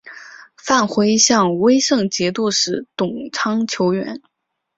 范晖向威胜节度使董昌求援。